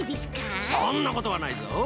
そんなことはないぞ。